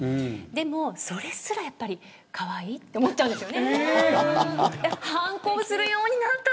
でも、それすらやっぱりかわいいと思っちゃうんですよね。